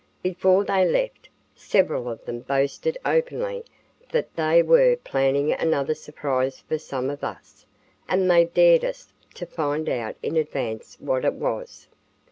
Before they left, several of them boasted openly that they were planning another surprise for some of us, and they dared us to find out in advance what it was."